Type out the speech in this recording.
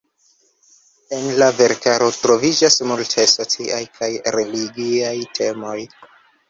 En la verkaro troviĝas multaj sociaj kaj religiaj temoj.